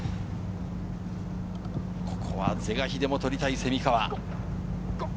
ここは是が非でも取りたい蝉川。